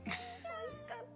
おいしかった。